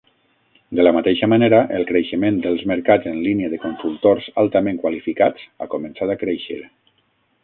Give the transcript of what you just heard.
De la mateixa manera, el creixement dels mercats en línia de consultors altament qualificats ha començat a créixer.